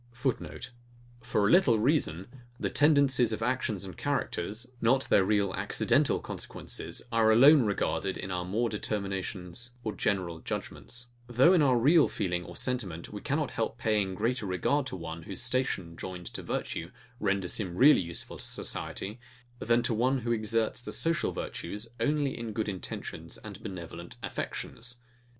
[Footnote: For a little reason, the tendencies of actions and characters, not their real accidental consequences, are alone regarded in our more determinations or general judgements; though in our real feeling or sentiment, we cannot help paying greater regard to one whose station, joined to virtue, renders him really useful to society, then to one, who exerts the social virtues only in good intentions and benevolent affections.